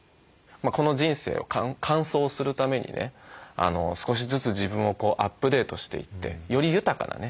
この人生を完走するためにね少しずつ自分をアップデートしていってより豊かなね